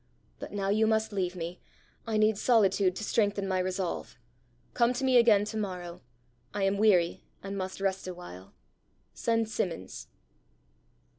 " But now you must leave me. I need solitude to strengthen my resolve. Come to me again to morrow. I am weary, and must rest awhile. Send Simmons."